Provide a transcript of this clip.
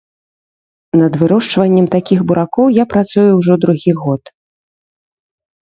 Над вырошчваннем такіх буракоў я працую ўжо другі год.